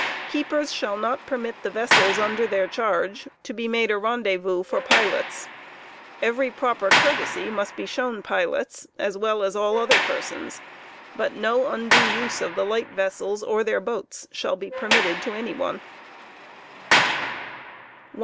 Keepers shall not permit the vessels under their charge to be made a rendez lifffat veueis vous for pilots; every proper courtesy must be shown pilots, as well aa all other per SSo^voub^oJ. sons, but no undue use of the light vessels or their boats shall be permitted to any one.